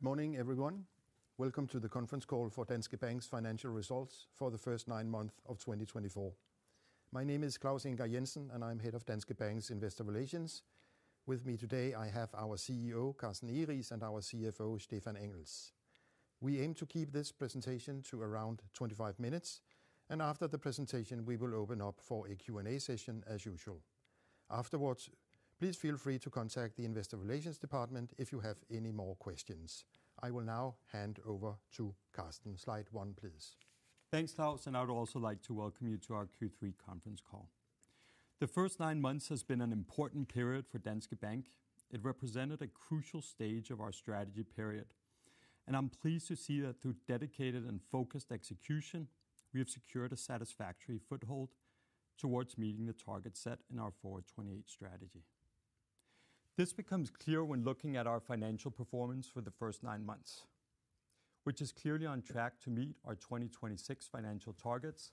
Good morning, everyone. Welcome to the conference call for Danske Bank's financial results for the first nine months of 2024. My name is Claus Ingar Jensen, and I'm head of Danske Bank's investor relations. With me today, I have our CEO, Carsten Egeriis, and our CFO, Stephan Engels. We aim to keep this presentation to around 25 minutes, and after the presentation, we will open up for a Q&A session as usual. Afterwards, please feel free to contact the Investor Relations Department if you have any more questions. I will now hand over to Carsten. Slide one, please. Thanks, Claus, and I would also like to welcome you to our Q3 conference call. The first nine months has been an important period for Danske Bank. It represented a crucial stage of our strategy period, and I'm pleased to see that through dedicated and focused execution, we have secured a satisfactory foothold towards meeting the targets set in our Forward '28 strategy. This becomes clear when looking at our financial performance for the first nine months, which is clearly on track to meet our 2026 financial targets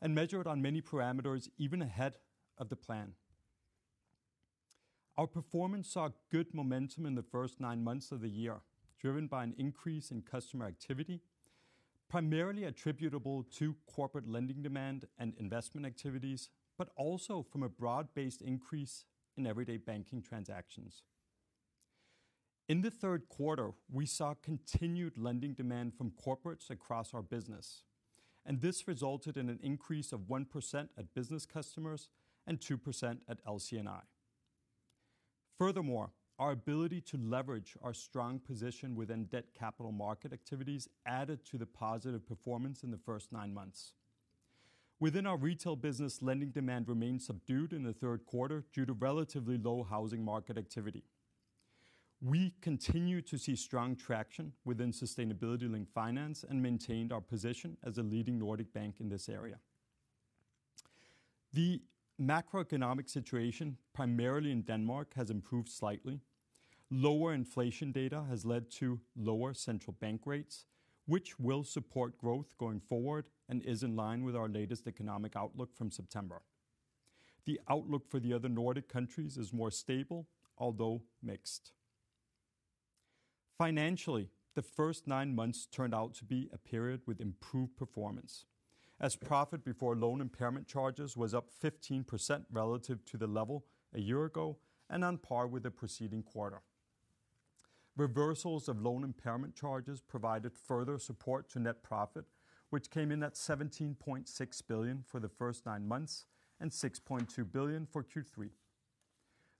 and measured on many parameters even ahead of the plan. Our performance saw good momentum in the first nine months of the year, driven by an increase in customer activity, primarily attributable to corporate lending demand and investment activities, but also from a broad-based increase in everyday banking transactions. In the third quarter, we saw continued lending demand from corporates across our business, and this resulted in an increase of 1% at business customers and 2% at LC&I. Furthermore, our ability to leverage our strong position within debt capital market activities added to the positive performance in the first nine months. Within our retail business, lending demand remained subdued in the third quarter due to relatively low housing market activity. We continue to see strong traction within sustainability-linked finance and maintained our position as a leading Nordic bank in this area. The macroeconomic situation, primarily in Denmark, has improved slightly. Lower inflation data has led to lower central bank rates, which will support growth going forward and is in line with our latest economic outlook from September. The outlook for the other Nordic countries is more stable, although mixed. Financially, the first nine months turned out to be a period with improved performance, as profit before loan impairment charges was up 15% relative to the level a year ago and on par with the preceding quarter. Reversals of loan impairment charges provided further support to net profit, which came in at 17.6 billion for the first nine months and 6.2 billion for Q3.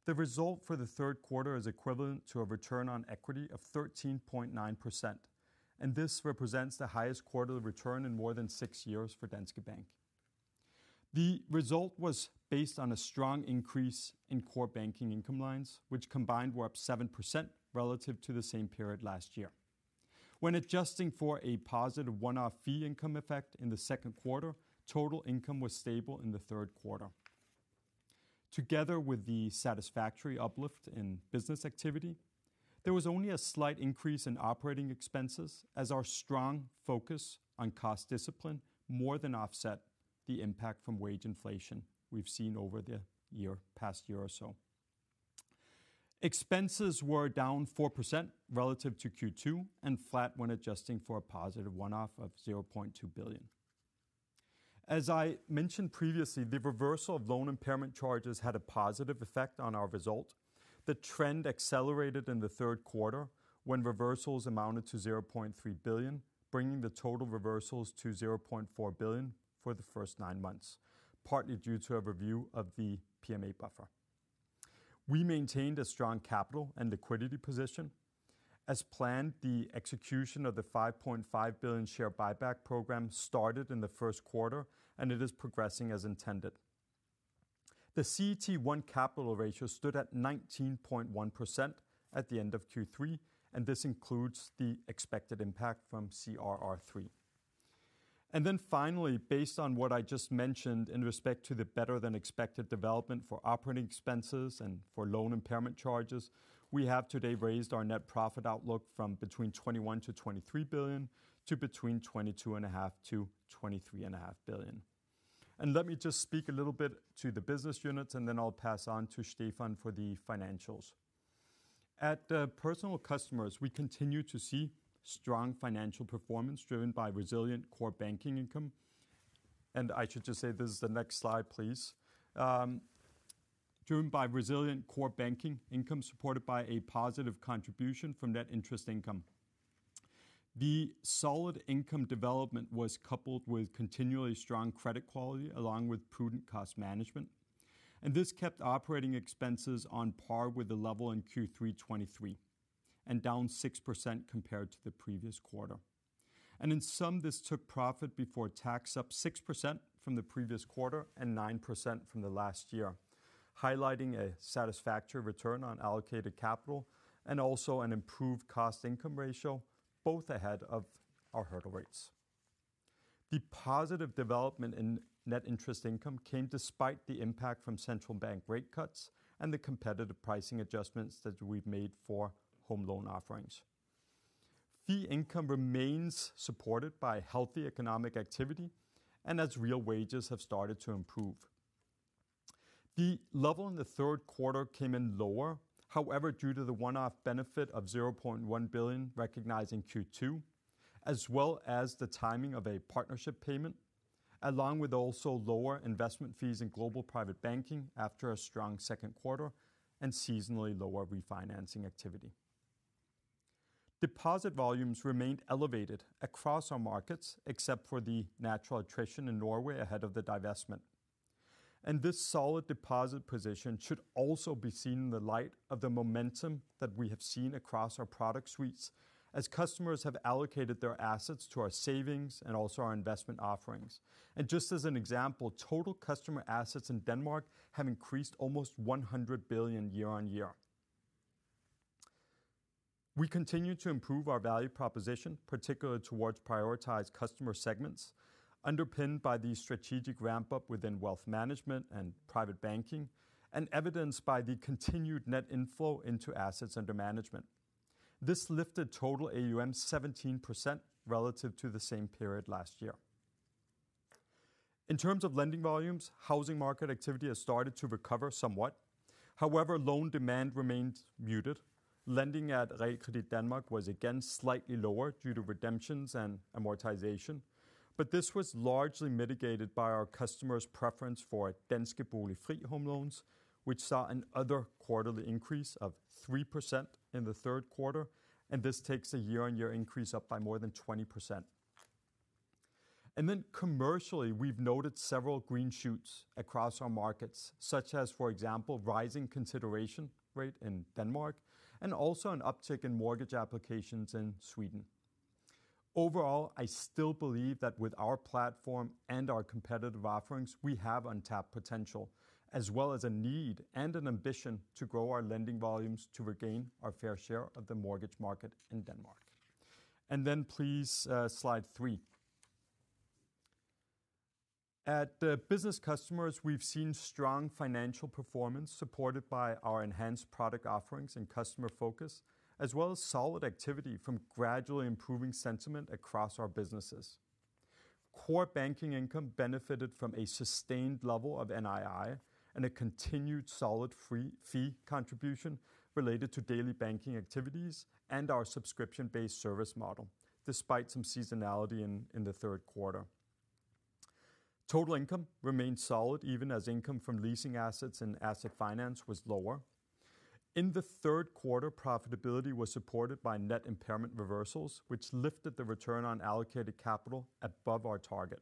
The result for the third quarter is equivalent to a return on equity of 13.9%, and this represents the highest quarterly return in more than six years for Danske Bank. The result was based on a strong increase in core banking income lines, which combined were up 7% relative to the same period last year. When adjusting for a positive one-off fee income effect in the second quarter, total income was stable in the third quarter. Together with the satisfactory uplift in business activity, there was only a slight increase in operating expenses as our strong focus on cost discipline more than offset the impact from wage inflation we've seen over the past year or so. Expenses were down 4% relative to Q2 and flat when adjusting for a positive one-off of 0.2 billion. As I mentioned previously, the reversal of loan impairment charges had a positive effect on our result. The trend accelerated in the third quarter when reversals amounted to 0.3 billion, bringing the total reversals to 0.4 billion for the first nine months, partly due to a review of the PMA buffer. We maintained a strong capital and liquidity position. As planned, the execution of the 5.5 billion share buyback program started in the first quarter, and it is progressing as intended. The CET1 capital ratio stood at 19.1% at the end of Q3, and this includes the expected impact from CRR3. Then finally, based on what I just mentioned in respect to the better than expected development for operating expenses and for loan impairment charges, we have today raised our net profit outlook from between 21 to 23 billion to between 22.5 to 23.5 billion. Let me just speak a little bit to the business units, and then I'll pass on to Stephan for the financials. At personal customers, we continue to see strong financial performance driven by resilient core banking income. I should just say, this is the next slide, please. Driven by resilient core banking income supported by a positive contribution from net interest income. The solid income development was coupled with continually strong credit quality along with prudent cost management, and this kept operating expenses on par with the level in Q3 '23 and down 6% compared to the previous quarter, and in sum, this took profit before tax up 6% from the previous quarter and 9% from the last year, highlighting a satisfactory return on allocated capital and also an improved cost income ratio, both ahead of our hurdle rates. The positive development in net interest income came despite the impact from central bank rate cuts and the competitive pricing adjustments that we've made for home loan offerings. Fee income remains supported by healthy economic activity and as real wages have started to improve. The level in the third quarter came in lower, however, due to the one-off benefit of 0.1 billion recognizing Q2, as well as the timing of a partnership payment, along with also lower investment fees in global private banking after a strong second quarter and seasonally lower refinancing activity. Deposit volumes remained elevated across our markets, except for the natural attrition in Norway ahead of the divestment. This solid deposit position should also be seen in the light of the momentum that we have seen across our product suites as customers have allocated their assets to our savings and also our investment offerings. Just as an example, total customer assets in Denmark have increased almost 100 billion year on year. We continue to improve our value proposition, particularly towards prioritized customer segments, underpinned by the strategic ramp-up within wealth management and private banking, and evidenced by the continued net inflow into assets under management. This lifted total AUM 17% relative to the same period last year. In terms of lending volumes, housing market activity has started to recover somewhat. However, loan demand remained muted. Lending at Realkredit Danmark was again slightly lower due to redemptions and amortization, but this was largely mitigated by our customers' preference for Danske Boligfri home loans, which saw another quarterly increase of 3% in the third quarter, and this takes a year-on-year increase up by more than 20%, and then commercially, we've noted several green shoots across our markets, such as, for example, rising construction rate in Denmark and also an uptick in mortgage applications in Sweden. Overall, I still believe that with our platform and our competitive offerings, we have untapped potential, as well as a need and an ambition to grow our lending volumes to regain our fair share of the mortgage market in Denmark, and then please, slide three. At Business Customers, we've seen strong financial performance supported by our enhanced product offerings and customer focus, as well as solid activity from gradually improving sentiment across our businesses. Core banking income benefited from a sustained level of NII and a continued solid fee contribution related to daily banking activities and our subscription-based service model, despite some seasonality in the third quarter. Total income remained solid even as income from leasing assets and asset finance was lower. In the third quarter, profitability was supported by net impairment reversals, which lifted the return on allocated capital above our target.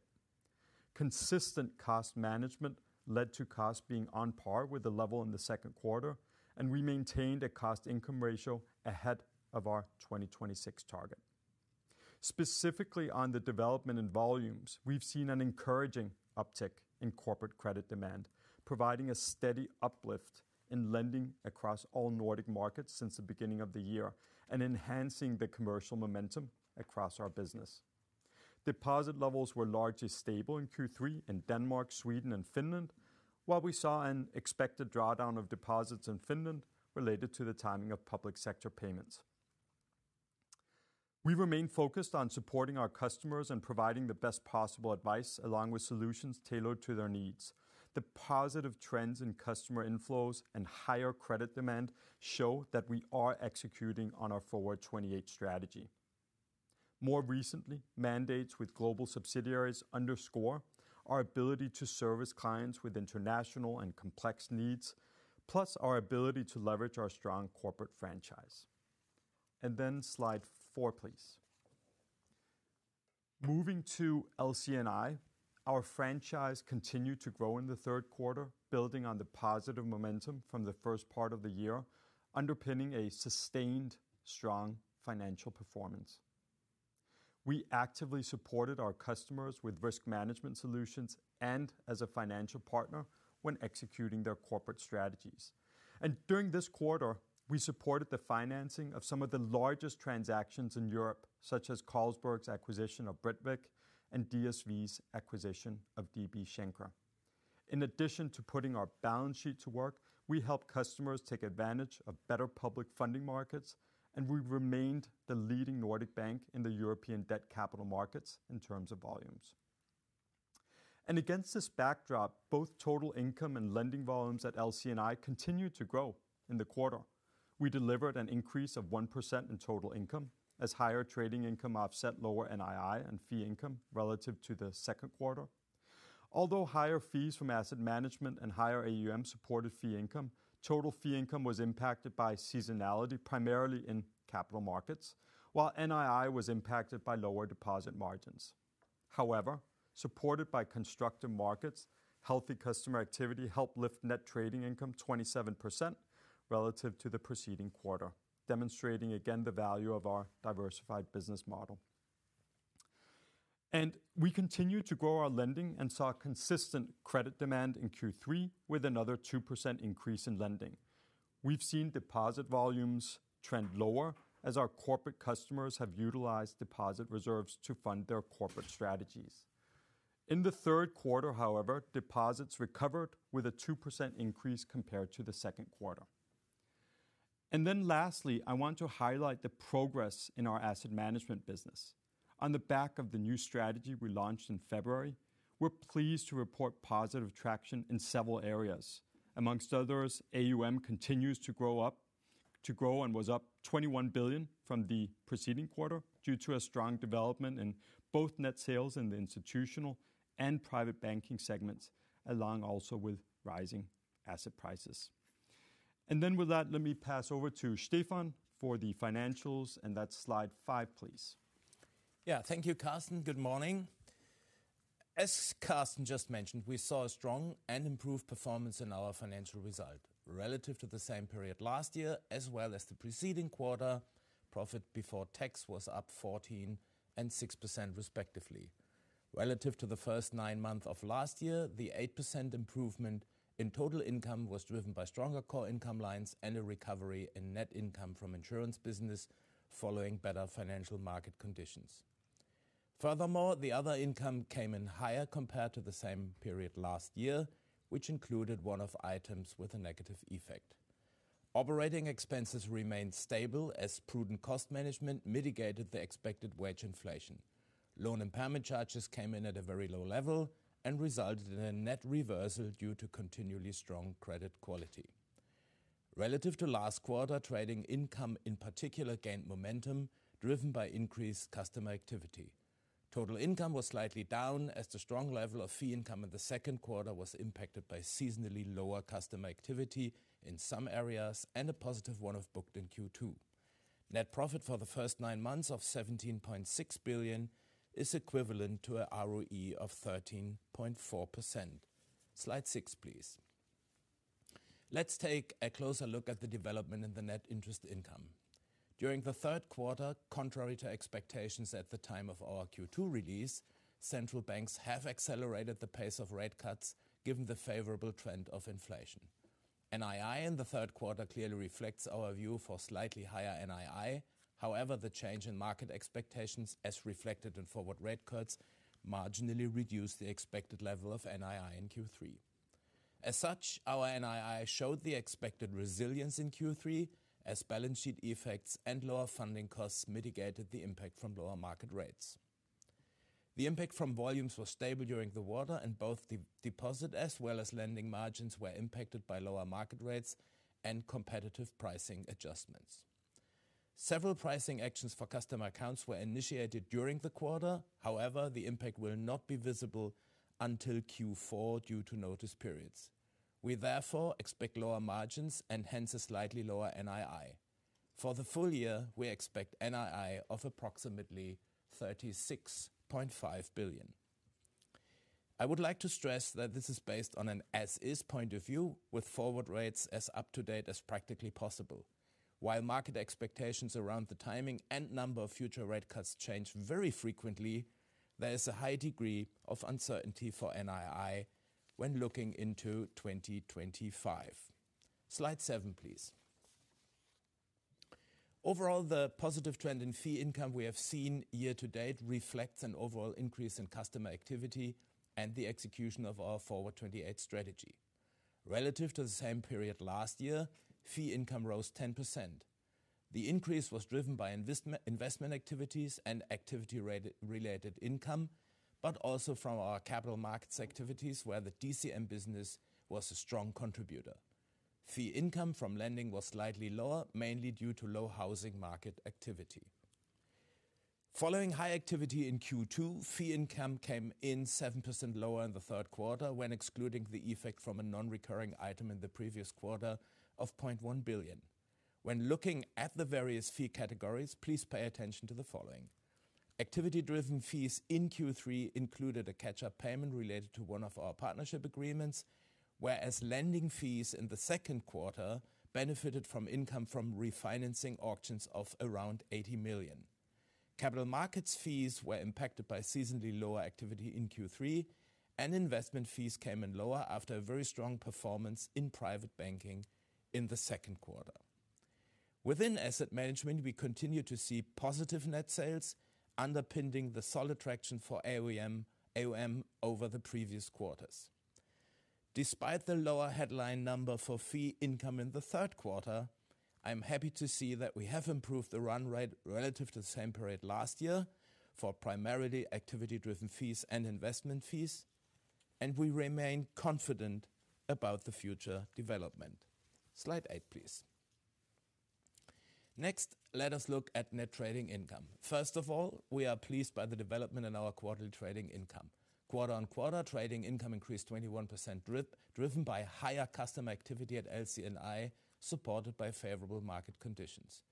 Consistent cost management led to costs being on par with the level in the second quarter, and we maintained a cost income ratio ahead of our 2026 target. Specifically on the development and volumes, we've seen an encouraging uptick in corporate credit demand, providing a steady uplift in lending across all Nordic markets since the beginning of the year and enhancing the commercial momentum across our business. Deposit levels were largely stable in Q3 in Denmark, Sweden, and Finland, while we saw an expected drawdown of deposits in Finland related to the timing of public sector payments. We remain focused on supporting our customers and providing the best possible advice along with solutions tailored to their needs. The positive trends in customer inflows and higher credit demand show that we are executing on our Forward '28 strategy. More recently, mandates with global subsidiaries underscore our ability to service clients with international and complex needs, plus our ability to leverage our strong corporate franchise. And then slide four, please. Moving to LC&I, our franchise continued to grow in the third quarter, building on the positive momentum from the first part of the year, underpinning a sustained strong financial performance. We actively supported our customers with risk management solutions and as a financial partner when executing their corporate strategies. And during this quarter, we supported the financing of some of the largest transactions in Europe, such as Carlsberg's acquisition of Britvic and DSV's acquisition of DB Schenker. In addition to putting our balance sheet to work, we helped customers take advantage of better public funding markets, and we remained the leading Nordic bank in the European debt capital markets in terms of volumes. Against this backdrop, both total income and lending volumes at LC&I continued to grow in the quarter. We delivered an increase of 1% in total income as higher trading income offset lower NII and fee income relative to the second quarter. Although higher fees from asset management and higher AUM supported fee income, total fee income was impacted by seasonality, primarily in capital markets, while NII was impacted by lower deposit margins. However, supported by constructive markets, healthy customer activity helped lift net trading income 27% relative to the preceding quarter, demonstrating again the value of our diversified business model. We continue to grow our lending and saw consistent credit demand in Q3 with another 2% increase in lending. We've seen deposit volumes trend lower as our corporate customers have utilized deposit reserves to fund their corporate strategies. In the third quarter, however, deposits recovered with a 2% increase compared to the second quarter. Then lastly, I want to highlight the progress in our asset management business. On the back of the new strategy we launched in February, we're pleased to report positive traction in several areas. Among others, AUM continues to grow and was up 21 billion from the preceding quarter due to a strong development in both net sales in the institutional and private banking segments, along also with rising asset prices. Then with that, let me pass over to Stephan for the financials and that's slide five, please. Yeah, thank you, Carsten. Good morning. As Carsten just mentioned, we saw a strong and improved performance in our financial result relative to the same period last year as well as the preceding quarter. Profit before tax was up 14% and 6% respectively. Relative to the first nine months of last year, the 8% improvement in total income was driven by stronger core income lines and a recovery in net income from insurance business following better financial market conditions. Furthermore, the other income came in higher compared to the same period last year, which included one-off items with a negative effect. Operating expenses remained stable as prudent cost management mitigated the expected wage inflation. Loan impairment charges came in at a very low level and resulted in a net reversal due to continually strong credit quality. Relative to last quarter, trading income in particular gained momentum driven by increased customer activity. Total income was slightly down as the strong level of fee income in the second quarter was impacted by seasonally lower customer activity in some areas and a positive one-off booked in Q2. Net profit for the first nine months of 17.6 billion is equivalent to an ROE of 13.4%. Slide six, please. Let's take a closer look at the development in the net interest income. During the third quarter, contrary to expectations at the time of our Q2 release, central banks have accelerated the pace of rate cuts given the favorable trend of inflation. NII in the third quarter clearly reflects our view for slightly higher NII. However, the change in market expectations as reflected in forward rate cuts marginally reduced the expected level of NII in Q3. As such, our NII showed the expected resilience in Q3 as balance sheet effects and lower funding costs mitigated the impact from lower market rates. The impact from volumes was stable during the quarter, and both the deposit as well as lending margins were impacted by lower market rates and competitive pricing adjustments. Several pricing actions for customer accounts were initiated during the quarter. However, the impact will not be visible until Q4 due to notice periods. We therefore expect lower margins and hence a slightly lower NII. For the full year, we expect NII of approximately 36.5 billion. I would like to stress that this is based on an as-is point of view with forward rates as up to date as practically possible. While market expectations around the timing and number of future rate cuts change very frequently, there is a high degree of uncertainty for NII when looking into 2025. Slide seven, please. Overall, the positive trend in fee income we have seen year to date reflects an overall increase in customer activity and the execution of our Forward '28 strategy. Relative to the same period last year, fee income rose 10%. The increase was driven by investment activities and activity-related income, but also from our capital markets activities where the DCM business was a strong contributor. Fee income from lending was slightly lower, mainly due to low housing market activity. Following high activity in Q2, fee income came in 7% lower in the third quarter when excluding the effect from a non-recurring item in the previous quarter of 0.1 billion. When looking at the various fee categories, please pay attention to the following. Activity-driven fees in Q3 included a catch-up payment related to one of our partnership agreements, whereas lending fees in the second quarter benefited from income from refinancing auctions of around 80 million. Capital markets fees were impacted by seasonally lower activity in Q3, and investment fees came in lower after a very strong performance in private banking in the second quarter. Within asset management, we continue to see positive net sales underpinning the solid traction for AUM over the previous quarters. Despite the lower headline number for fee income in the third quarter, I'm happy to see that we have improved the run rate relative to the same period last year for primarily activity-driven fees and investment fees, and we remain confident about the future development. Slide eight, please. Next, let us look at net trading income. First of all, we are pleased by the development in our quarterly trading income. Quarter on quarter, trading income increased 21%, driven by higher customer activity at LC&I supported by favorable market conditions.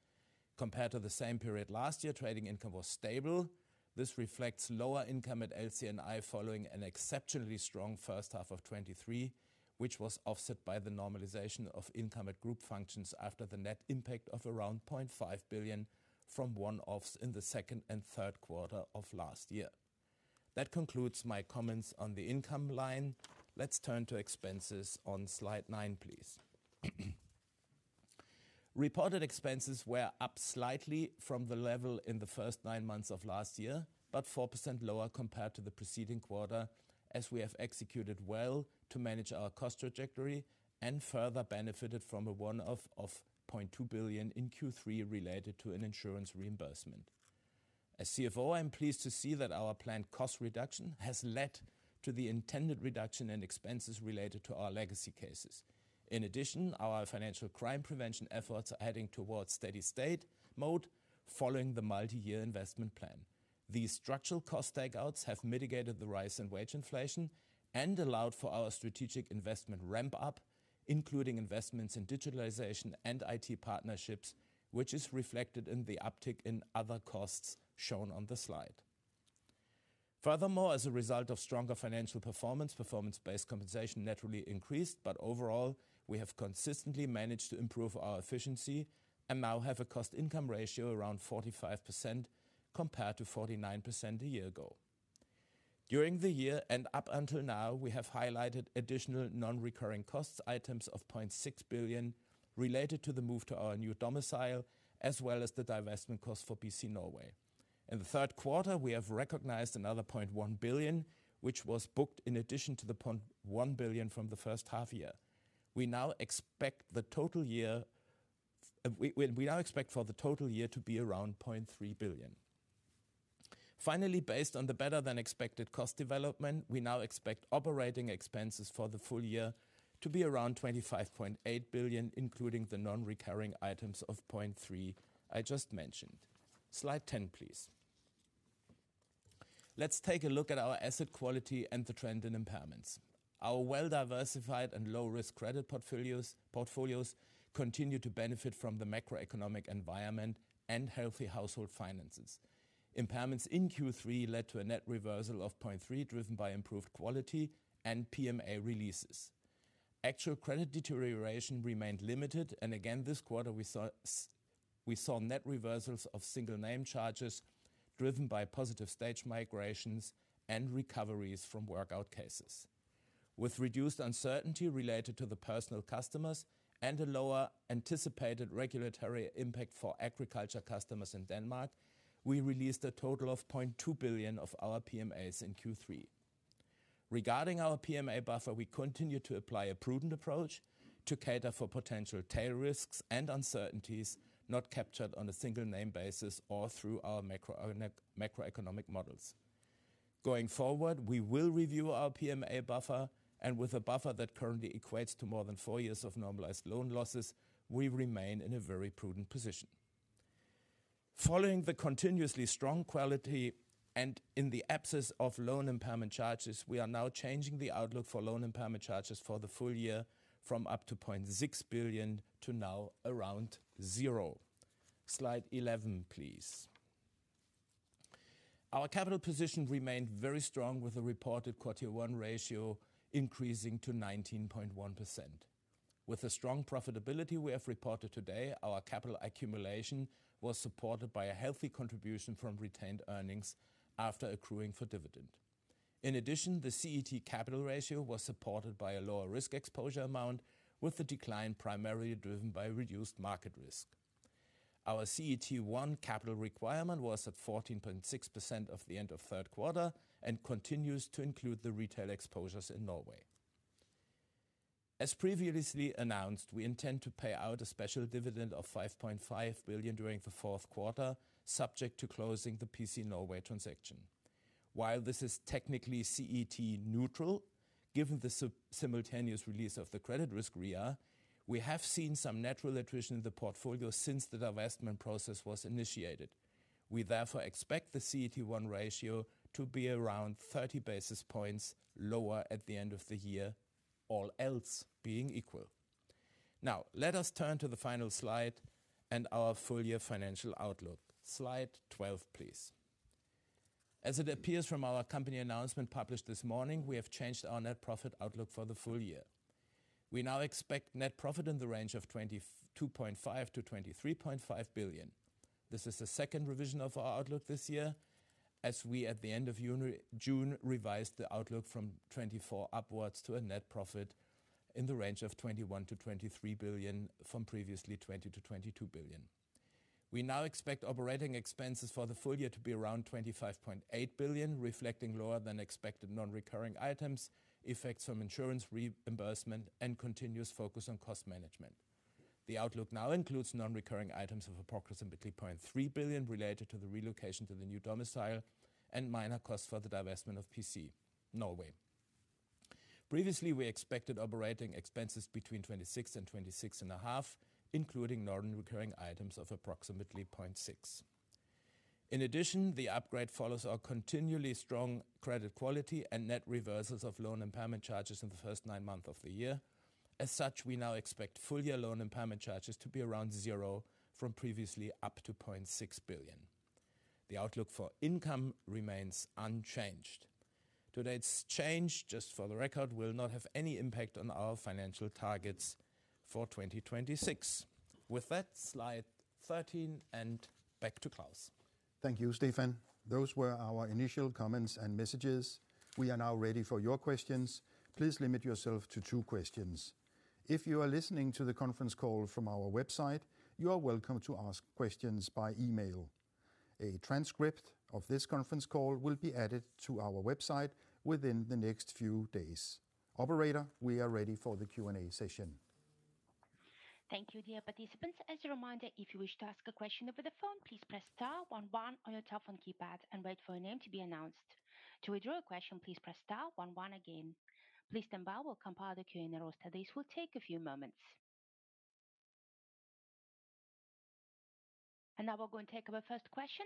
Compared to the same period last year, trading income was stable. This reflects lower income at LC&I following an exceptionally strong first half of 2023, which was offset by the normalization of income at group functions after the net impact of around 0.5 billion from one-offs in the second and third quarter of last year. That concludes my comments on the income line. Let's turn to expenses on slide nine, please. Reported expenses were up slightly from the level in the first nine months of last year, but 4% lower compared to the preceding quarter as we have executed well to manage our cost trajectory and further benefited from a one-off of 0.2 billion in Q3 related to an insurance reimbursement. As CFO, I'm pleased to see that our planned cost reduction has led to the intended reduction in expenses related to our legacy cases. In addition, our financial crime prevention efforts are heading towards steady state mode following the multi-year investment plan. These structural cost takeouts have mitigated the rise in wage inflation and allowed for our strategic investment ramp-up, including investments in digitalization and IT partnerships, which is reflected in the uptick in other costs shown on the slide. Furthermore, as a result of stronger financial performance, performance-based compensation naturally increased, but overall, we have consistently managed to improve our efficiency and now have a cost income ratio around 45% compared to 49% a year ago. During the year and up until now, we have highlighted additional non-recurring costs items of 0.6 billion related to the move to our new domicile, as well as the divestment cost for PC Norway. In the third quarter, we have recognized another 0.1 billion, which was booked in addition to the 0.1 billion from the first half year. We now expect for the total year to be around 0.3 billion. Finally, based on the better than expected cost development, we now expect operating expenses for the full year to be around 25.8 billion, including the non-recurring items of 0.3 billion I just mentioned. Slide 10, please. Let's take a look at our asset quality and the trend in impairments. Our well-diversified and low-risk credit portfolios continue to benefit from the macroeconomic environment and healthy household finances. Impairments in Q3 led to a net reversal of 0.3 billion driven by improved quality and PMA releases. Actual credit deterioration remained limited, and again, this quarter, we saw net reversals of single-name charges driven by positive stage migrations and recoveries from workout cases. With reduced uncertainty related to the personal customers and a lower anticipated regulatory impact for agriculture customers in Denmark, we released a total of 0.2 billion of our PMAs in Q3. Regarding our PMA buffer, we continue to apply a prudent approach to cater for potential tail risks and uncertainties not captured on a single-name basis or through our macroeconomic models. Going forward, we will review our PMA buffer, and with a buffer that currently equates to more than four years of normalized loan losses, we remain in a very prudent position. Following the continuously strong quality and in the absence of loan impairment charges, we are now changing the outlook for loan impairment charges for the full year from up to 0.6 billion to now around zero. Slide 11, please. Our capital position remained very strong with a reported CET1 ratio increasing to 19.1%. With a strong profitability we have reported today, our capital accumulation was supported by a healthy contribution from retained earnings after accruing for dividend. In addition, the CET1 capital ratio was supported by a lower risk exposure amount, with the decline primarily driven by reduced market risk. Our CET1 capital requirement was at 14.6% at the end of third quarter and continues to include the retail exposures in Norway. As previously announced, we intend to pay out a special dividend of 5.5 billion during the fourth quarter, subject to closing the PC Norway transaction. While this is technically CET neutral, given the simultaneous release of the credit risk REA, we have seen some natural attrition in the portfolio since the divestment process was initiated. We therefore expect the CET1 ratio to be around 30 basis points lower at the end of the year, all else being equal. Now, let us turn to the final slide and our full-year financial outlook. Slide 12, please. As it appears from our company announcement published this morning, we have changed our net profit outlook for the full year. We now expect net profit in the range of 22.5-23.5 billion. This is the second revision of our outlook this year as we, at the end of June, revised the outlook from 24 billion upwards to a net profit in the range of 21-23 billion from previously 20-22 billion. We now expect operating expenses for the full year to be around 25.8 billion, reflecting lower than expected non-recurring items, effects from insurance reimbursement, and continuous focus on cost management. The outlook now includes non-recurring items of approximately 0.3 billion related to the relocation to the new domicile and minor costs for the divestment of PC Norway. Previously, we expected operating expenses between 26 and 26.5, including non-recurring items of approximately 0.6 billion. In addition, the upgrade follows our continually strong credit quality and net reversals of loan impairment charges in the first nine months of the year. As such, we now expect full-year loan impairment charges to be around zero from previously up to 0.6 billion. The outlook for income remains unchanged. Today's change, just for the record, will not have any impact on our financial targets for 2026. With that, slide 13 and back to Claus. Thank you, Stephan. Those were our initial comments and messages. We are now ready for your questions. Please limit yourself to two questions. If you are listening to the conference call from our website, you are welcome to ask questions by email. A transcript of this conference call will be added to our website within the next few days. Operator, we are ready for the Q&A session. Thank you, dear participants. As a reminder, if you wish to ask a question over the phone, please press star 11 on your telephone keypad and wait for your name to be announced. To withdraw a question, please press star 11 again. Please stand by while we'll compile the Q&A roster. This will take a few moments. And now we're going to take our first question,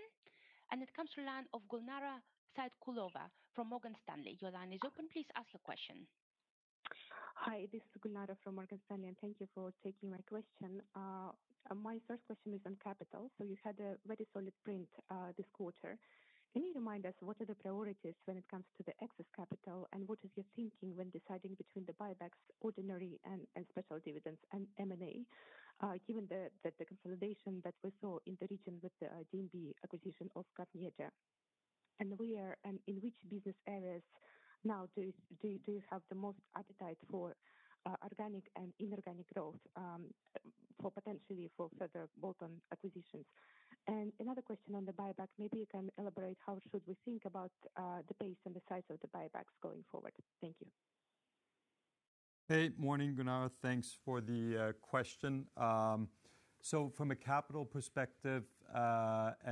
and it comes from the line of Gulnara Saitkulova from Morgan Stanley. Your line is open. Please ask your question. Hi, this is Gulnara from Morgan Stanley, and thank you for taking my question. My first question is on capital. So you had a very solid print this quarter. Can you remind us what are the priorities when it comes to the excess capital and what is your thinking when deciding between the buybacks, ordinary and special dividends, and M&A, given the consolidation that we saw in the region with the DNB acquisition of Carnegie? And in which business areas now do you have the most appetite for organic and inorganic growth for potentially further bolt-on acquisitions? Another question on the buyback. Maybe you can elaborate how we should think about the pace and the size of the buybacks going forward? Thank you. Good morning, Gulnara. Thanks for the question. So from a capital perspective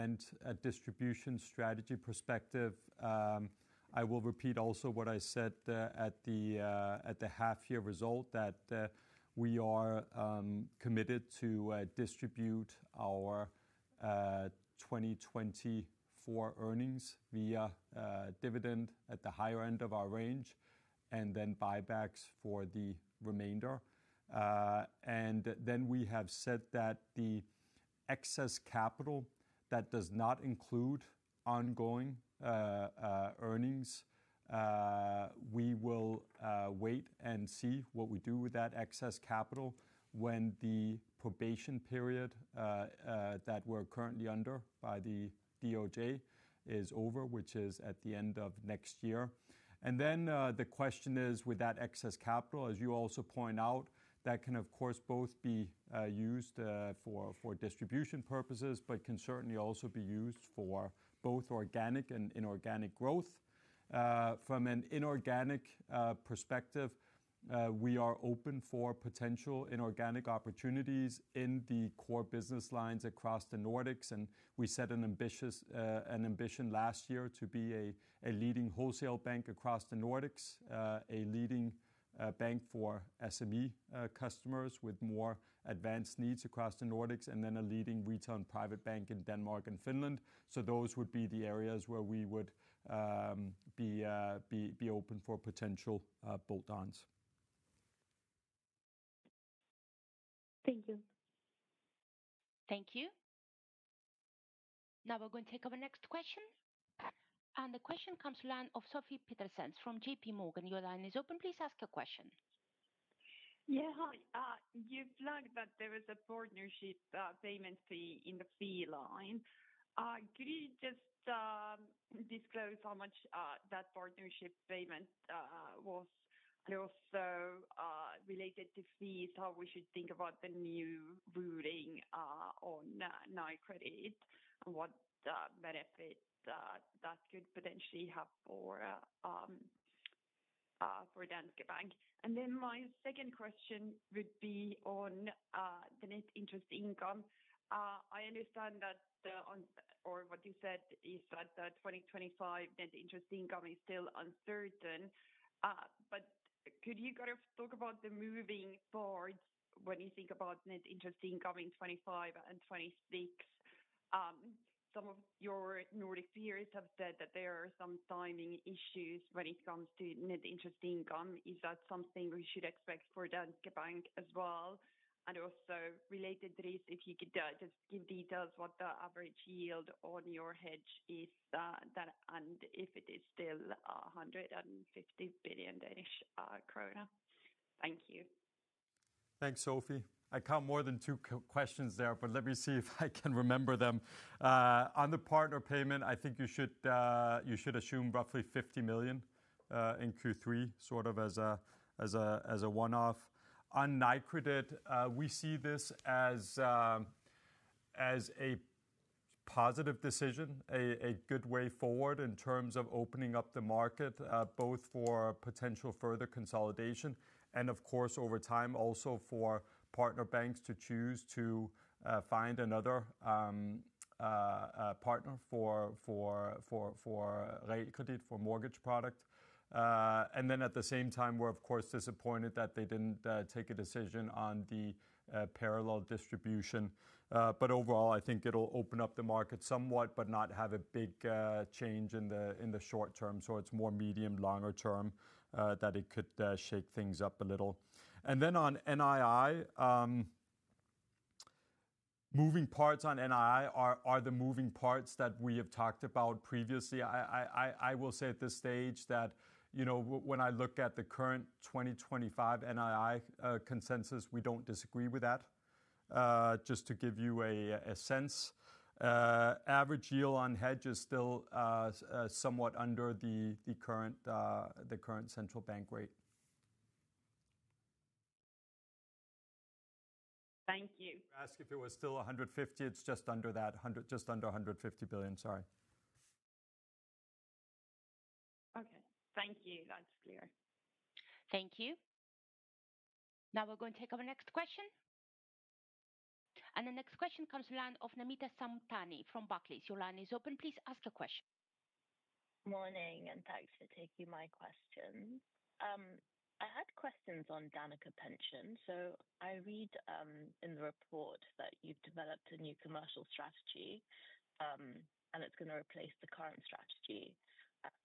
and a distribution strategy perspective, I will repeat also what I said at the half-year result, that we are committed to distribute our 2024 earnings via dividend at the higher end of our range and then buybacks for the remainder. Then we have said that the excess capital that does not include ongoing earnings, we will wait and see what we do with that excess capital when the probation period that we're currently under by the DOJ is over, which is at the end of next year. And then the question is, with that excess capital, as you also point out, that can, of course, both be used for distribution purposes, but can certainly also be used for both organic and inorganic growth. From an inorganic perspective, we are open for potential inorganic opportunities in the core business lines across the Nordics, and we set an ambition last year to be a leading wholesale bank across the Nordics, a leading bank for SME customers with more advanced needs across the Nordics, and then a leading retail and private bank in Denmark and Finland. So those would be the areas where we would be open for potential bolt-ons. Thank you. Thank you. Now we're going to take our next question. And the question comes from Sofie Peterzens from J.P. Morgan. Your line is open. Please ask your question. Yeah, hi. You've flagged that there is a partnership payment fee in the fee line. Could you just disclose how much that partnership payment was? And also related to fees, how we should think about the new ruling on Nykredit and what benefits that could potentially have for Danske Bank. And then my second question would be on the net interest income. I understand that, or what you said, is that the 2025 net interest income is still uncertain. But could you kind of talk about the moving forward when you think about net interest income in 2025 and 2026? Some of your Nordic peers have said that there are some timing issues when it comes to net interest income. Is that something we should expect for Danske Bank as well? And also related to this, if you could just give details what the average yield on your hedge is, and if it is still 150 billion Danish krone. Thank you. Thanks, Sophie. I count more than two questions there, but let me see if I can remember them. On the partner payment, I think you should assume roughly 50 million in Q3, sort of as a one-off. On Nykredit, we see this as a positive decision, a good way forward in terms of opening up the market, both for potential further consolidation and, of course, over time also for partner banks to choose to find another partner for Nykredit for mortgage product. And then at the same time, we're, of course, disappointed that they didn't take a decision on the parallel distribution. But overall, I think it'll open up the market somewhat, but not have a big change in the short term. So it's more medium-longer term that it could shake things up a little. And then on NII, moving parts on NII are the moving parts that we have talked about previously. I will say at this stage that when I look at the current 2025 NII consensus, we don't disagree with that, just to give you a sense. Average yield on hedge is still somewhat under the current central bank rate. Thank you. If it was still 150, it's just under that, just under 150 billion. Sorry. Okay. Thank you. That's clear. Thank you. Now we're going to take our next question. And the next question comes from the line of Namita Samtani from Barclays. Your line is open. Please ask your question. Morning, and thanks for taking my question. I had questions on Danica Pension. So I read in the report that you've developed a new commercial strategy, and it's going to replace the current strategy.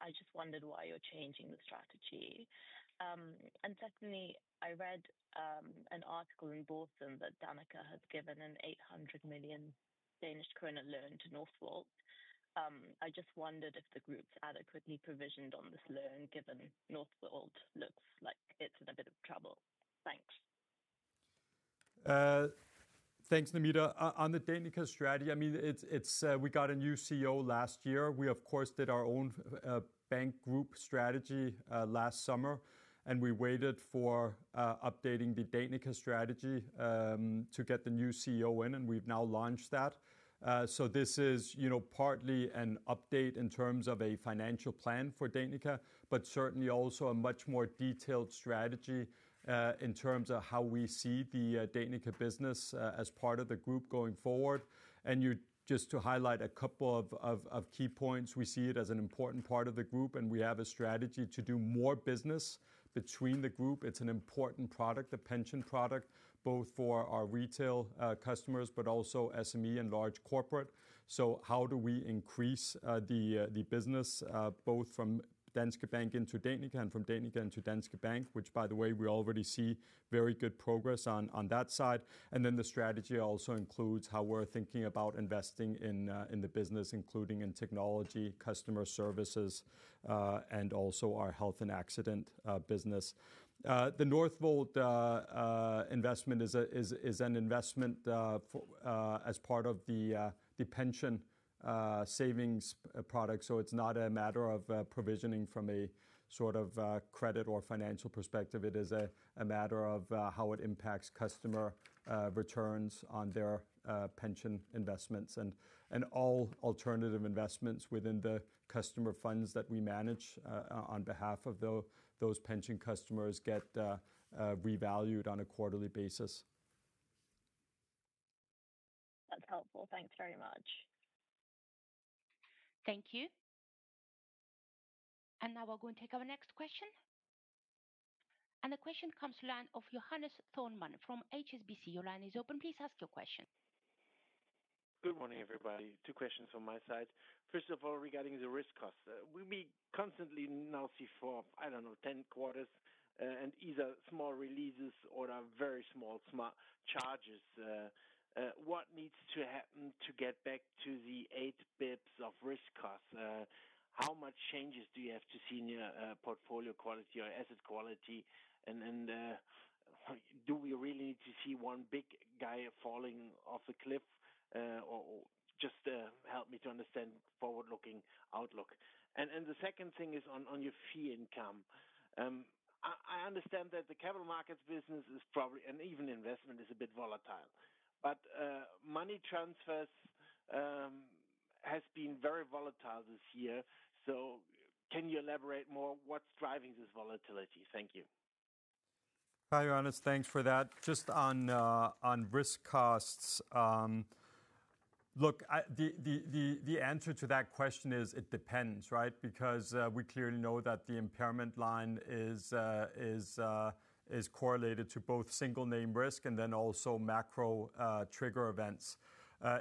I just wondered why you're changing the strategy. Secondly, I read an article in Børsen that Danica has given a 800 million Danish kroner loan to Northvolt. I just wondered if the group's adequately provisioned on this loan, given Northvolt looks like it's in a bit of trouble. Thanks. Thanks, Namita. On the Danica strategy, I mean, we got a new CEO last year. We, of course, did our own bank group strategy last summer, and we waited for updating the Danica strategy to get the new CEO in, and we've now launched that. So this is partly an update in terms of a financial plan for Danica, but certainly also a much more detailed strategy in terms of how we see the Danica business as part of the group going forward. And just to highlight a couple of key points, we see it as an important part of the group, and we have a strategy to do more business between the group. It's an important product, the pension product, both for our retail customers, but also SME and large corporate. So how do we increase the business both from Danske Bank into Danica and from Danica into Danske Bank, which, by the way, we already see very good progress on that side. And then the strategy also includes how we're thinking about investing in the business, including in technology, customer services, and also our health and accident business. The Northvolt investment is an investment as part of the pension savings product. So it's not a matter of provisioning from a sort of credit or financial perspective. It is a matter of how it impacts customer returns on their pension investments and all alternative investments within the customer funds that we manage on behalf of those pension customers get revalued on a quarterly basis. That's helpful. Thanks very much. Thank you. And now we're going to take our next question. And the question comes to the line of Johannes Thormann from HSBC. Your line is open. Please ask your question. Good morning, everybody. Two questions from my side. First of all, regarding the risk costs. We constantly now see for, I don't know, 10 quarters, and either small releases or very small charges. What needs to happen to get back to the 80 basis points of risk costs? How much changes do you have to see in your portfolio quality or asset quality? And do we really need to see one big guy falling off the cliff? Just help me to understand forward-looking outlook. And the second thing is on your fee income. I understand that the capital markets business is probably, and even investment is a bit volatile. But money transfers have been very volatile this year. So can you elaborate more? What's driving this volatility? Thank you. Hi, Johannes. Thanks for that. Just on risk costs, look, the answer to that question is it depends, right? Because we clearly know that the impairment line is correlated to both single-name risk and then also macro trigger events.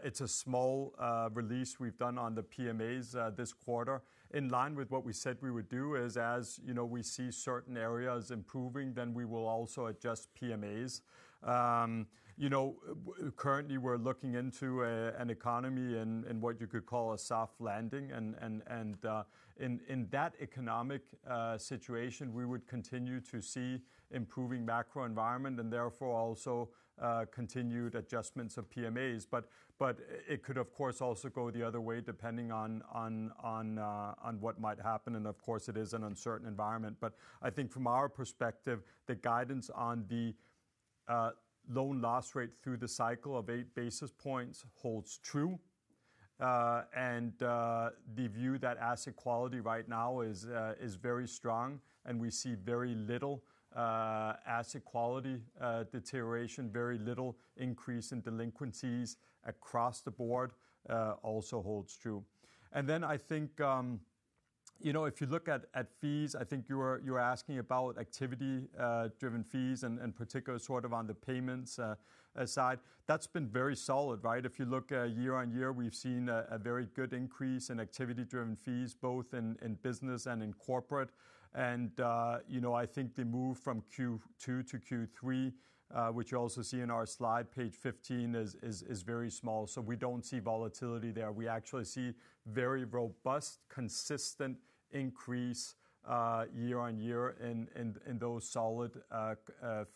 It's a small release we've done on the PMAs this quarter. In line with what we said we would do is, as we see certain areas improving, then we will also adjust PMAs. Currently, we're looking into an economy in what you could call a soft landing, and in that economic situation, we would continue to see improving macro environment and therefore also continued adjustments of PMAs, but it could, of course, also go the other way depending on what might happen, and of course, it is an uncertain environment, but I think from our perspective, the guidance on the loan loss rate through the cycle of eight basis points holds true, and the view that asset quality right now is very strong, and we see very little asset quality deterioration, very little increase in delinquencies across the board also holds true. And then I think if you look at fees, I think you were asking about activity-driven fees and particularly sort of on the payments side. That's been very solid, right? If you look year on year, we've seen a very good increase in activity-driven fees, both in business and in corporate. And I think the move from Q2 to Q3, which you also see in our slide, page 15, is very small. So we don't see volatility there. We actually see very robust, consistent increase year on year in those solid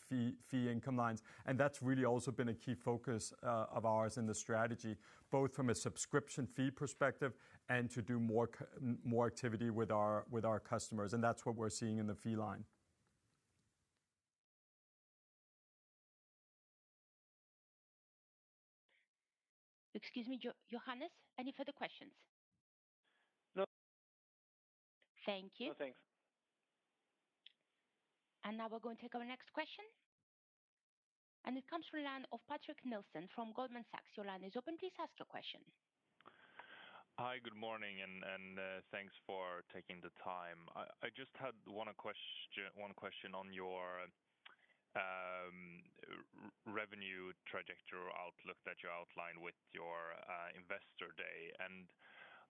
fee income lines. And that's really also been a key focus of ours in the strategy, both from a subscription fee perspective and to do more activity with our customers. And that's what we're seeing in the fee line. Excuse me, Johannes, any further questions? No. Thank you. No, thanks. And now we're going to take our next question. It comes from the line of Patrick Nelson from Goldman Sachs. Your line is open. Please ask your question. Hi, good morning, and thanks for taking the time. I just had one question on your revenue trajectory or outlook that you outlined with your investor day.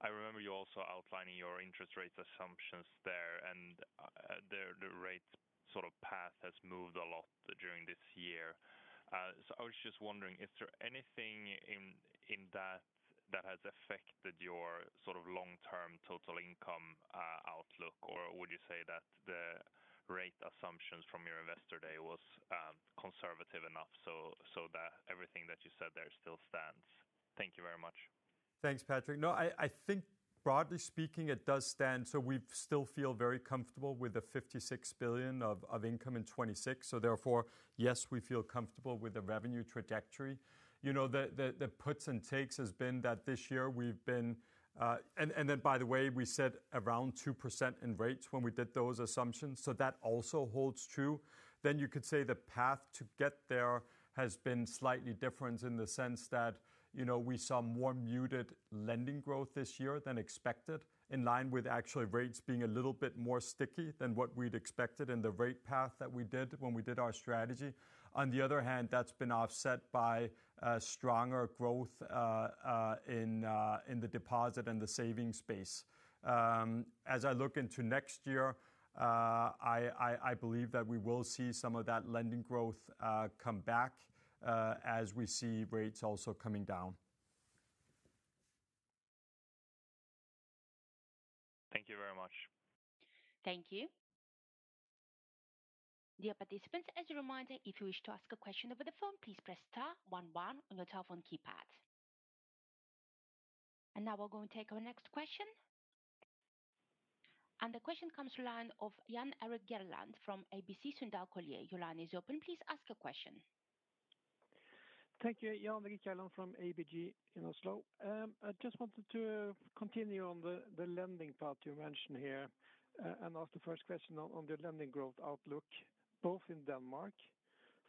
I remember you also outlining your interest rate assumptions there, and the rate sort of path has moved a lot during this year. I was just wondering, is there anything in that that has affected your sort of long-term total income outlook, or would you say that the rate assumptions from your investor day was conservative enough so that everything that you said there still stands? Thank you very much. Thanks, Patrick. No, I think broadly speaking, it does stand. We still feel very comfortable with the 56 billion of income in 2026. So therefore, yes, we feel comfortable with the revenue trajectory. The puts and takes has been that this year we've been, and then by the way, we said around 2% in rates when we did those assumptions. So that also holds true. Then you could say the path to get there has been slightly different in the sense that we saw more muted lending growth this year than expected, in line with actually rates being a little bit more sticky than what we'd expected in the rate path that we did when we did our strategy. On the other hand, that's been offset by stronger growth in the deposit and the savings space. As I look into next year, I believe that we will see some of that lending growth come back as we see rates also coming down. Thank you very much. Thank you. Dear participants, as a reminder, if you wish to ask a question over the phone, please press star 11 on your telephone keypad, and now we're going to take our next question. The question comes from the line of Jan Erik Gjerland from ABG Sundal Collier. Your line is open. Please ask a question. Thank you. Jan Erik Gjerland from ABG in Oslo. I just wanted to continue on the lending path you mentioned here and ask the first question on the lending growth outlook, both in Denmark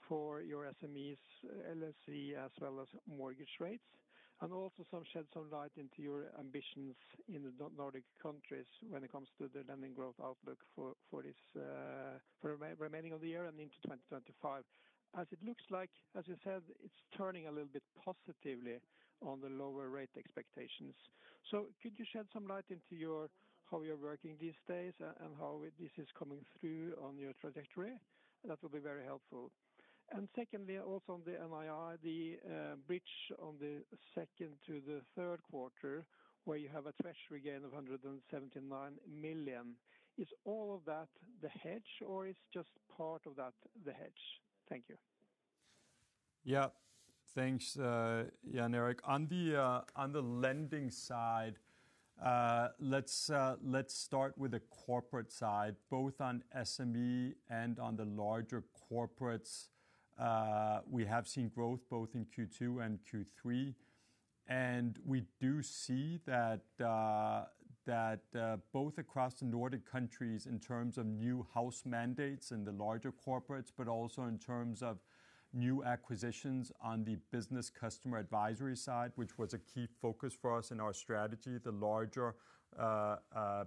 for your SMEs, LC&I, as well as mortgage rates, and also shed some light on your ambitions in the Nordic countries when it comes to the lending growth outlook for the remainder of the year and into 2025. As it looks like, as you said, it's turning a little bit positively on the lower rate expectations. Could you shed some light into how you're working these days and how this is coming through on your trajectory? That will be very helpful. And secondly, also on the NII, the bridge on the second to the third quarter, where you have a treasury gain of 179 million, is all of that the hedge, or is just part of that the hedge? Thank you. Yeah, thanks, Jan Erik. On the lending side, let's start with the corporate side. Both on SME and on the larger corporates, we have seen growth both in Q2 and Q3. And we do see that both across the Nordic countries in terms of new house mandates in the larger corporates, but also in terms of new acquisitions on the business customer advisory side, which was a key focus for us in our strategy, the larger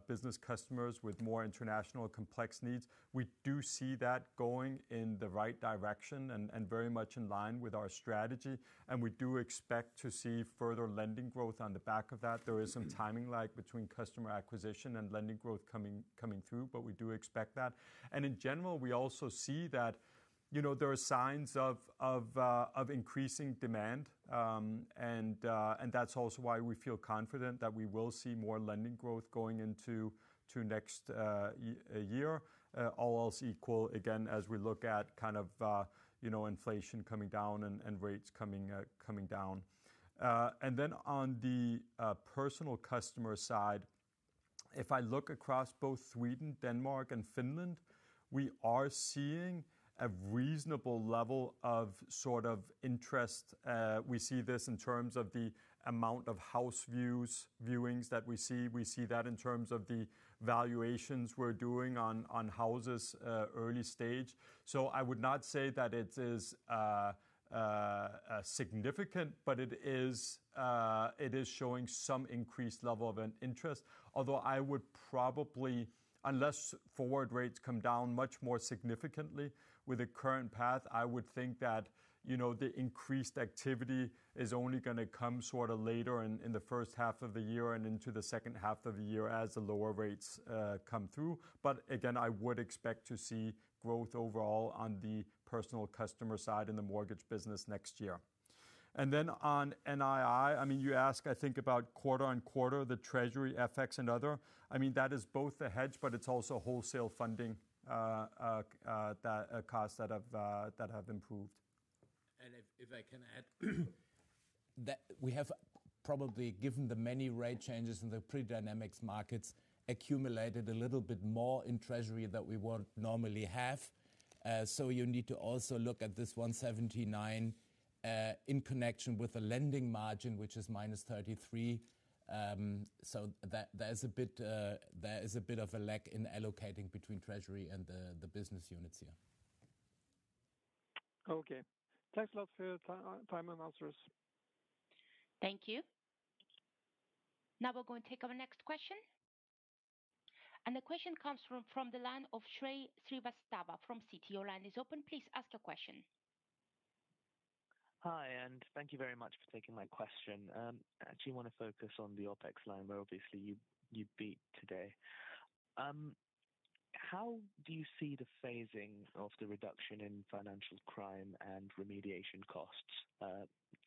business customers with more international complex needs. We do see that going in the right direction and very much in line with our strategy. And we do expect to see further lending growth on the back of that. There is some timing lag between customer acquisition and lending growth coming through, but we do expect that. And in general, we also see that there are signs of increasing demand, and that's also why we feel confident that we will see more lending growth going into next year, all else equal, again, as we look at kind of inflation coming down and rates coming down. And then on the personal customer side, if I look across both Sweden, Denmark, and Finland, we are seeing a reasonable level of sort of interest. We see this in terms of the amount of house viewings that we see. We see that in terms of the valuations we're doing on houses early stage, so I would not say that it is significant, but it is showing some increased level of interest. Although I would probably, unless forward rates come down much more significantly with the current path, I would think that the increased activity is only going to come sort of later in the first half of the year and into the second half of the year as the lower rates come through, but again, I would expect to see growth overall on the personal customer side in the mortgage business next year, and then on NII, I mean, you ask, I think about quarter on quarter, the Treasury, FX, and other. I mean, that is both the hedge, but it's also wholesale funding costs that have improved. And if I can add, we have probably, given the many rate changes in the price dynamics markets, accumulated a little bit more in Treasury than we would normally have. So you need to also look at this 179 in connection with the lending margin, which is minus 33. So there is a bit of a lag in allocating between Treasury and the business units here. Okay. Thanks a lot for your time and answers. Thank you. Now we're going to take our next question. And the question comes from the line of Shrey Srivastava from Citi. Your line is open. Please ask your question. Hi, and thank you very much for taking my question. I actually want to focus on the OpEx line where obviously you beat today. How do you see the phasing of the reduction in financial crime and remediation costs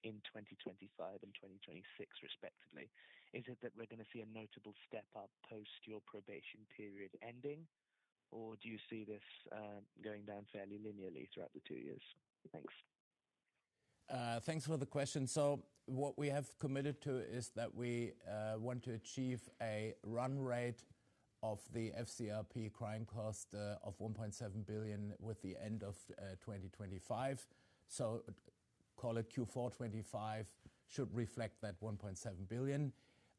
in 2025 and 2026, respectively? Is it that we're going to see a notable step up post your probation period ending, or do you see this going down fairly linearly throughout the two years? Thanks. Thanks for the question. So what we have committed to is that we want to achieve a run rate of the FCRP crime cost of 1.7 billion by the end of 2025. So call it Q4 2025 should reflect that 1.7 billion.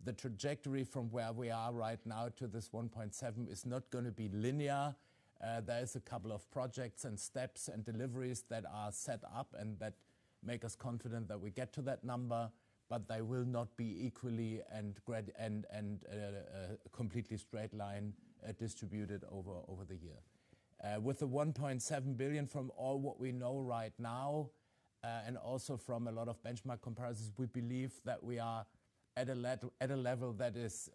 The trajectory from where we are right now to this 1.7 is not going to be linear. There is a couple of projects and steps and deliveries that are set up and that make us confident that we get to that number, but they will not be equally and completely straight line distributed over the year. With the 1.7 billion from all what we know right now and also from a lot of benchmark comparisons, we believe that we are at a level that is,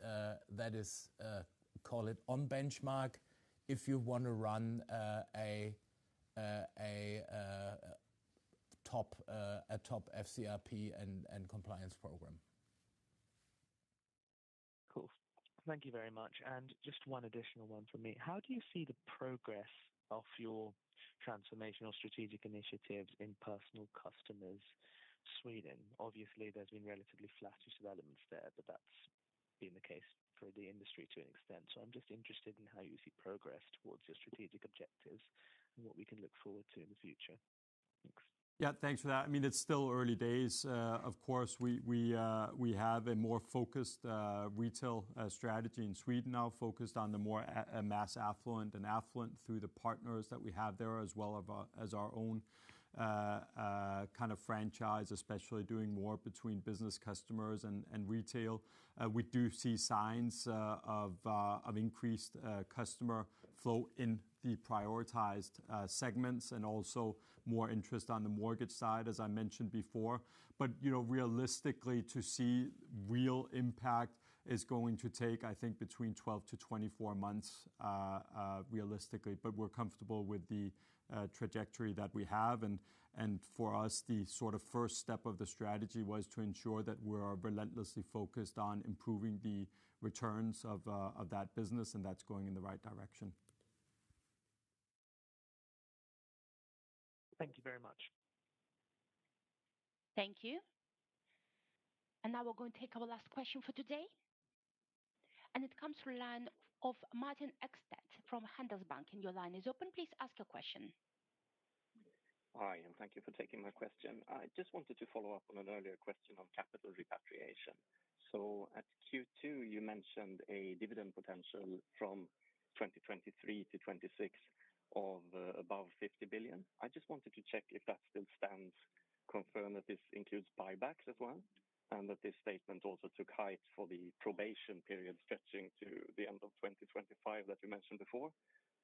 call it on benchmark, if you want to run a top FCRP and compliance program. Cool. Thank you very much. And just one additional one for me. How do you see the progress of your transformational strategic initiatives in personal customers Sweden? Obviously, there's been relatively flat developments there, but that's been the case for the industry to an extent. So I'm just interested in how you see progress towards your strategic objectives and what we can look forward to in the future. Thanks. Yeah, thanks for that. I mean, it's still early days. Of course, we have a more focused retail strategy in Sweden now, focused on the more mass affluent and affluent through the partners that we have there as well as our own kind of franchise, especially doing more between business customers and retail. We do see signs of increased customer flow in the prioritized segments and also more interest on the mortgage side, as I mentioned before. But realistically, to see real impact is going to take, I think, between 12-24 months realistically, but we're comfortable with the trajectory that we have. And for us, the sort of first step of the strategy was to ensure that we're relentlessly focused on improving the returns of that business, and that's going in the right direction. Thank you very much. Thank you. And now we're going to take our last question for today. It comes from the line of Martin Ekstedt from Handelsbanken. Your line is open. Please ask your question. Hi, and thank you for taking my question. I just wanted to follow up on an earlier question on capital repatriation. So at Q2, you mentioned a dividend potential from 2023 to 2026 of above 50 billion. I just wanted to check if that still stands, confirm that this includes buybacks as well, and that this statement also took account of the probation period stretching to the end of 2025 that you mentioned before.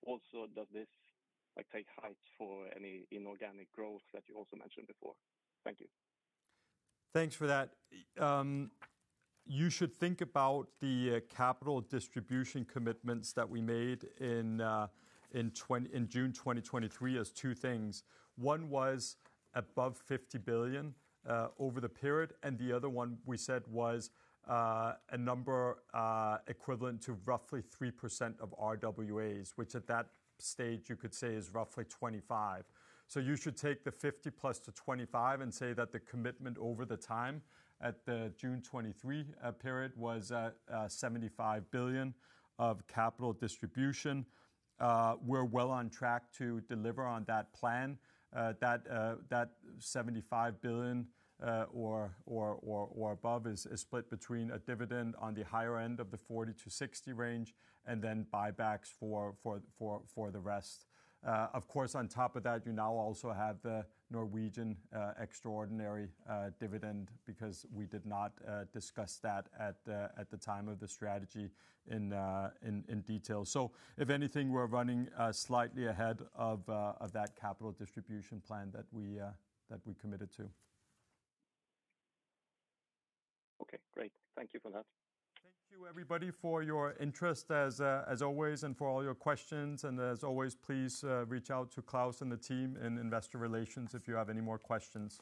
Also, does this take account of any inorganic growth that you also mentioned before? Thank you. Thanks for that. You should think about the capital distribution commitments that we made in June 2023 as two things. One was above 50 billion over the period, and the other one we said was a number equivalent to roughly 3% of RWAs, which at that stage you could say is roughly 25. So you should take the 50 plus to 25 and say that the commitment over the time at the June 2023 period was 75 billion of capital distribution. We're well on track to deliver on that plan. That 75 billion or above is split between a dividend on the higher end of the 40-60 range and then buybacks for the rest. Of course, on top of that, you now also have the Norwegian extraordinary dividend because we did not discuss that at the time of the strategy in detail. So if anything, we're running slightly ahead of that capital distribution plan that we committed to. Okay, great. Thank you for that. Thank you, everybody, for your interest as always and for all your questions. As always, please reach out to Claus and the team in investor relations if you have any more questions.